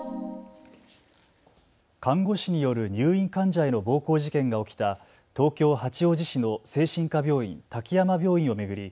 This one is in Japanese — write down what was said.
看護師による入院患者への暴行事件が起きた東京八王子市の精神科病院、滝山病院を巡り